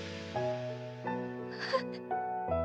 あっ。